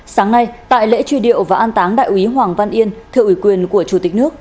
sáng nay tại lễ truy điệu và an táng đại úy hoàng văn yên thượng ủy quyền của chủ tịch nước